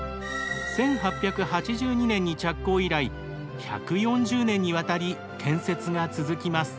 １８８２年に着工以来１４０年にわたり建設が続きます。